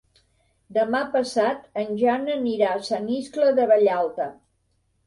Demà passat en Jan anirà a Sant Iscle de Vallalta.